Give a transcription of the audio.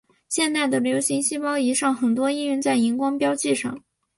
现代的流式细胞仪很多应用在荧光标记上。